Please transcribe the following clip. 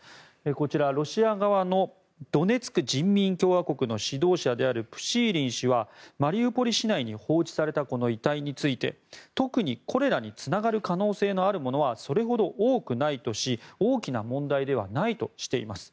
こちら、ロシア側のドネツク人民共和国の指導者であるプシーリン氏はマリウポリ市内に放置された遺体について特にコレラにつながる可能性のあるものはそれほど多くないとし大きな問題ではないとしています。